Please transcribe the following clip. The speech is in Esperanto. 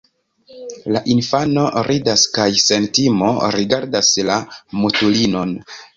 La infano ridas kaj sen timo rigardas la mutulinon.